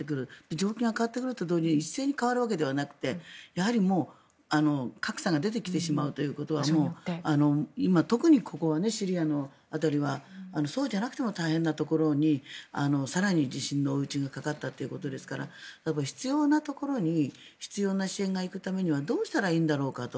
状況が変わってくると同時に一斉に変わるわけではなくてやはり格差が出てきてしまうことはもう今、特にここはシリアの辺りはそうじゃなくても大変なところに更に地震の追い打ちがかかったということですから必要なところに必要な支援が行くためにはどうしたらいいんだろうかと。